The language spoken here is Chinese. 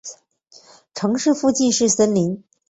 城市附近是森林。